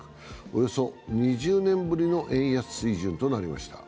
およそ２０年ぶりの円安水準となりました。